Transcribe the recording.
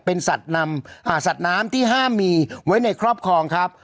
เป็นสัตว์น้ำที่ห้ามมีไว้ในครอบครองครับ